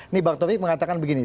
nih bang taufik mengatakan begini